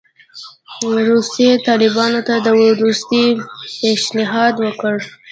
روسیې طالبانو ته د دوستۍ پېشنهاد وکړ.